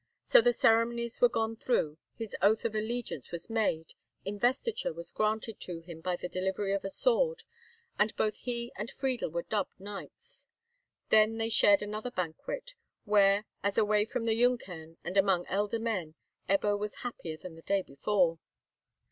So the ceremonies were gone through, his oath of allegiance was made, investiture was granted to him by the delivery of a sword, and both he and Friedel were dubbed knights. Then they shared another banquet, where, as away from the Junkern and among elder men, Ebbo was happier than the day before.